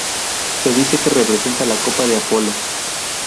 Se dice que representa la copa de Apolo.